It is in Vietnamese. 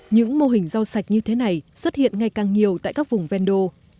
những mô hình rau sạch như thế này xuất hiện ngày càng nhiều tại các vùng ven đô